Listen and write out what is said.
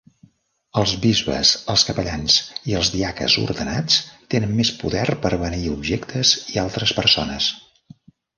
Els bisbes, els capellans i els diaques ordenats tenen més poder per beneir objectes i altres persones.